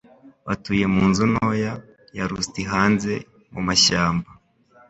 Batuye munzu ntoya, ya rusti hanze mumashyamba.